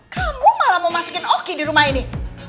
kamu malah mau masukin oki di rumah ini